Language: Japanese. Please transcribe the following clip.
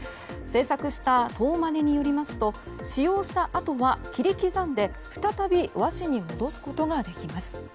製作したトーマネによりますと使用したあとは切り刻んで再び和紙に戻すことができます。